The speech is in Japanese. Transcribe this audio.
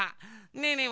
ねえねえ